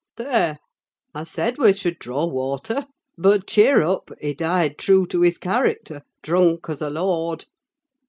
There! I said we should draw water. But cheer up! He died true to his character: drunk as a lord.